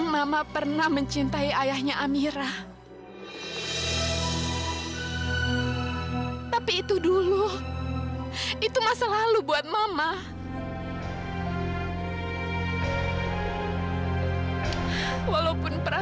sampai jumpa di video selanjutnya